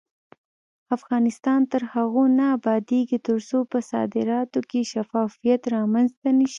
افغانستان تر هغو نه ابادیږي، ترڅو په صادراتو کې شفافیت رامنځته نشي.